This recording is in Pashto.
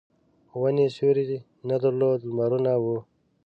ونې سیوری نه درلود لمرونه وو.